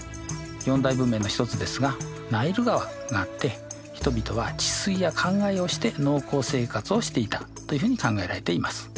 四大文明の一つですがナイル川があって人々は治水やかんがいをして農耕生活をしていたというふうに考えられています。